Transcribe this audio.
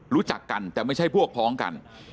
รู้จักกันแต่ไม่ใช่พวกพ้องกัน